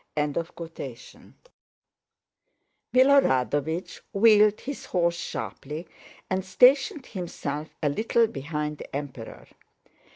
Milorádovich wheeled his horse sharply and stationed himself a little behind the Emperor.